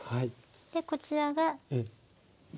でこちらが。